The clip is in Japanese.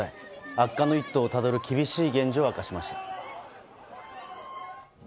悪化の一途をたどる厳しい現状を明かしました。